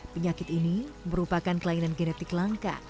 penyakit ini merupakan kelainan genetik langka